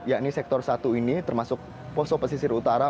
yakni sektor satu ini termasuk poso pesisir utara